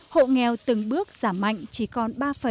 hộ nghèo từng bước giảm mạnh chỉ còn ba chín mươi bốn